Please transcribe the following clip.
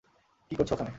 কী করছ ওখানে?